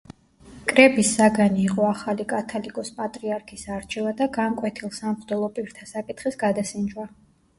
კრების საგანი იყო ახალი კათალიკოს-პატრიარქის არჩევა და განკვეთილ სამღვდელო პირთა საკითხის გადასინჯვა.